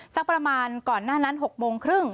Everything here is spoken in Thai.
สักประมาณก่อนหน้านั้น๖โมงครึ่ง